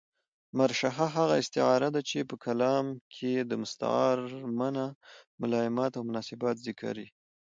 مرشحه هغه استعاره ده، چي په کلام کښي د مستعارمنه ملایمات اومناسبات ذکر يي.